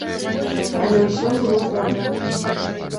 Але ўсё было добра!